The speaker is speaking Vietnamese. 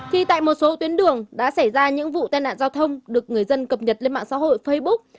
thì tại một số tuyến đường đã xảy ra những vụ tai nạn giao thông được người dân cập nhật lên mạng xã hội facebook